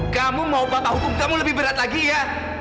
kamu mau patah hukum kamu lebih berat lagi ya